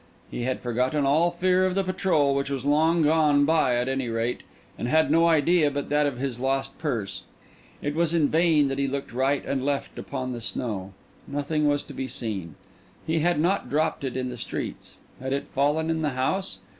He had forgotten all fear of the patrol, which was long gone by at any rate, and had no idea but that of his lost purse. It was in vain that he looked right and left upon the snow: nothing was to be seen. He had not dropped it in the streets. Had it fallen in the house?